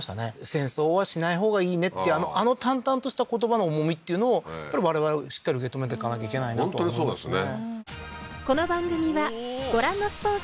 「戦争はしないほうがいいね」ってあの淡々とした言葉の重みっていうのをやっぱり我々しっかり受け止めてかなきゃいけないなと思いますね